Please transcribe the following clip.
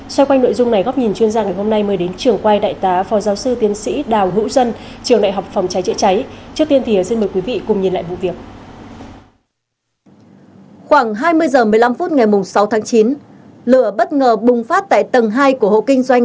xoay quanh nội dung này góp nhìn chuyên gia ngày hôm nay mới đến trường quay đại tá phò giáo sư tiến sĩ đào hữu dân trường đại học phòng cháy chạy cháy